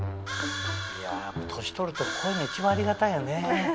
いや年取るとこういうの一番ありがたいよね。